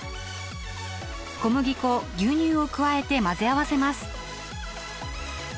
小麦粉牛乳を加えて混ぜ合わせます。